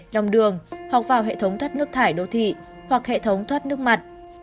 lòng đường hoặc vào hệ thống thoát nước thải đô thị hoặc hệ thống thoát nước mặt